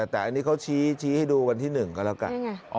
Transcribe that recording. แต่อันนี้เขาชี้ให้ดูวันที่๑ก็แล้วกัน